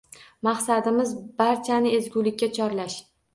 Maqsadimiz barchani ezgulikka chorlash.